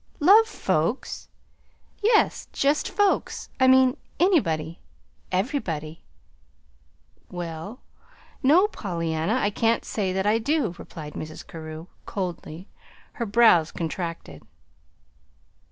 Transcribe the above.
"LOVE FOLKS!" "Yes, just folks, I mean. Anybody everybody." "Well, no, Pollyanna, I can't say that I do," replied Mrs. Carew, coldly, her brows contracted.